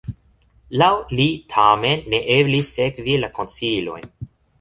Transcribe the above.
Laŭ li tamen ne eblis sekvi la konsilojn.